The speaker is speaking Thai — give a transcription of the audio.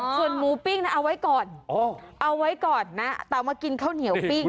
ส่วนหมูปิ้งนะเอาไว้ก่อนเอาไว้ก่อนนะแต่เอามากินข้าวเหนียวปิ้ง